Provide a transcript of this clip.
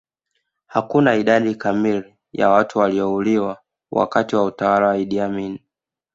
hakuna idadi kamili ya watu waliouliwa wakati wa utawala wa idi amin